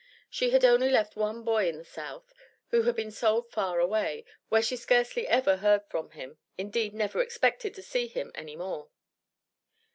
She had only left one boy in the South, who had been sold far away, where she scarcely ever heard from him, indeed never expected to see him any more.